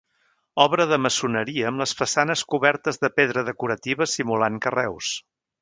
Obra de maçoneria amb les façanes cobertes de pedra decorativa simulant carreus.